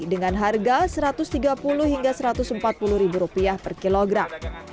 dengan harga rp satu ratus tiga puluh hingga rp satu ratus empat puluh per kilogram